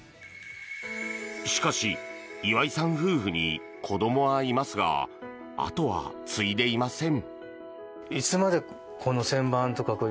しかし、岩井さん夫婦に子どもはいますが後は継いでいません。